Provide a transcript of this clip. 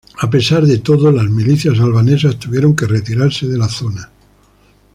A pesar de todo, las milicias albanesas tuvieron que retirarse de la zona.